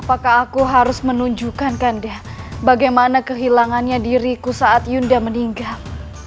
apakah aku harus menunjukkan kanda bagaimana kehilangannya diriku saat yunda meninggal